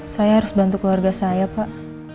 saya harus bantu keluarga saya pak